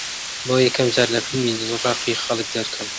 بۆ یەکەم جار لە فیلمی «دڵڕەقی خەڵک» دەرکەوت